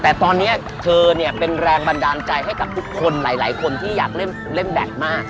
แต่ตอนนี้เธอเนี่ยเป็นแรงบันดาลใจให้กับทุกคนหลายคนที่อยากเล่นแบบมาก